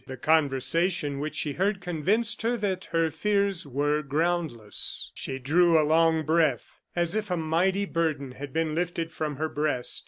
The conversation which she heard convinced her that her fears were groundless. She drew a long breath, as if a mighty burden had been lifted from her breast.